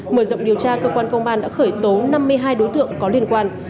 mở rộng điều tra cơ quan công an đã khởi tố năm mươi hai đối tượng có liên quan